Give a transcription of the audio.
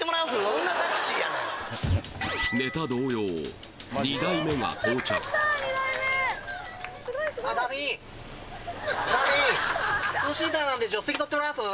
どんなタクシーやねんあすいませんすいませんツーシーターなんで助手席乗ってもらえます？